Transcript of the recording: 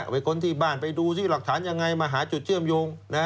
ค้นที่บ้านไปดูซิหลักฐานยังไงมาหาจุดเชื่อมโยง